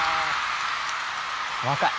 若い。